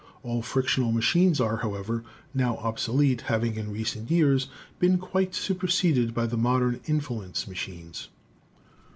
All frictional machines are, however, now obsolete, having in recent years been quite superseded by the modern influence ma chines.